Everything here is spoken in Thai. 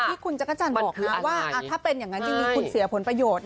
ที่คุณจักครรภ์ฯบอกว่าถ้าเป็นอย่างงั้นทีนี้คุณเสียผลประโยชน์